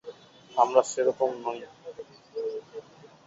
আমরা সেরকম নই।